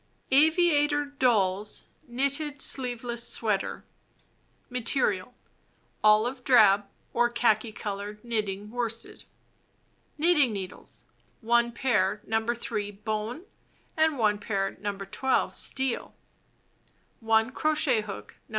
Aviator Doll's Knitted Sleeveless Sweater Material: Olive drab or khaki color knitting worsted. Knitting needles: One pair No. 3 bone, and one pair No. 1 2 Bteel . One crochet hook No.